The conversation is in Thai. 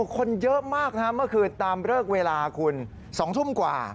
คนเยอะมากเมื่อคืนตามเลิกเวลาคุณ๒ทุ่มกว่า